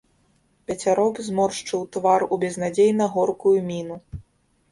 Пацяроб зморшчыў твар у безнадзейна горкую міну.